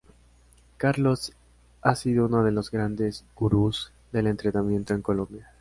Carlos ha sido uno de los grandes "gurús" del entretenimiento en Colombia.